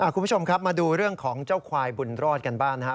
คุณผู้ชมครับมาดูเรื่องของเจ้าควายบุญรอดกันบ้างนะครับ